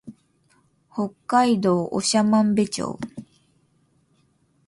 北海道長万部町